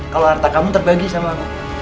kalau harta kamu terbagi sama